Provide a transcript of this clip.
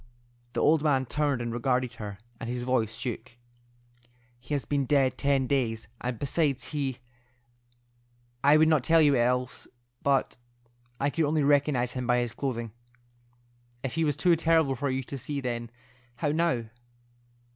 The old man turned and regarded her, and his voice shook. "He has been dead ten days, and besides he—I would not tell you else, but—I could only recognize him by his clothing. If he was too terrible for you to see then, how now?"